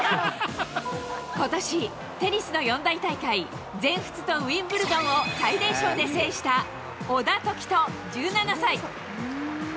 ことし、テニスの四大大会、全仏とウィンブルドンを最年少で制した小田凱人１７歳。